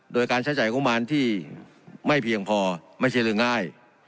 โดยการใช้จ่ายงบมารที่ไม่เพียงพอไม่ใช่เรื่องง่าย